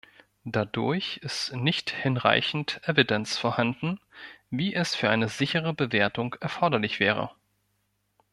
Dadurch ist nicht hinreichend „evidence“ vorhanden, wie es für eine sichere Bewertung erforderlich wäre.